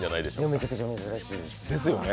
めちゃくちゃ珍しいです。